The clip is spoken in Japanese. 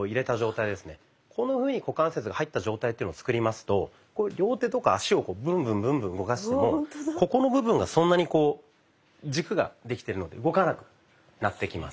こんなふうに股関節が入った状態っていうのを作りますと両手とか脚をブンブンブンブン動かしてもここの部分がそんなにこう軸ができてるので動かなくなってきます。